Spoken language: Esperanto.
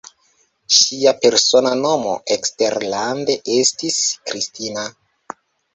Ŝia persona nomo eksterlande estis Kristina.